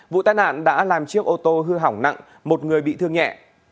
vụ tai nạn đã làm chiếc ô tô hư hỏng nặng một người bị thương nhẹ